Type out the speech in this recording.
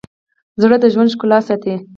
زړه د ژوند ښکلا ساتي.